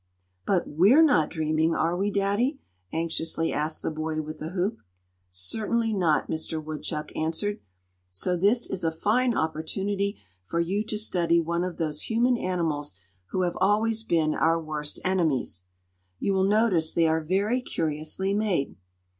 "But we're not dreaming; are we, Daddy?" anxiously asked the boy with the hoop. "Certainly not," Mister Woodchuck answered; "so this is a fine opportunity for you to study one of those human animals who have always been our worst enemies. You will notice they are very curiously made.